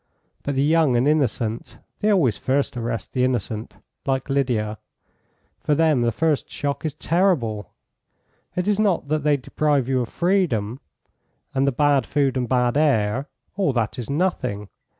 But the young and innocent (they always first arrest the innocent, like Lydia), for them the first shock is terrible. It is not that they deprive you of freedom; and the bad food and bad air all that is nothing.